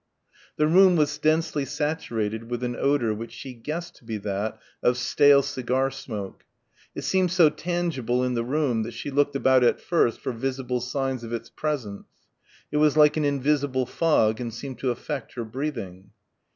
The room was densely saturated with an odour which she guessed to be that of stale cigar smoke. It seemed so tangible in the room that she looked about at first for visible signs of its presence. It was like an invisible dry fog and seemed to affect her breathing.